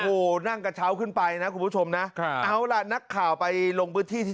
โอ้โหนั่งกระเช้าขึ้นไปนะคุณผู้ชมนะเอาล่ะนักข่าวไปลงพื้นที่ที่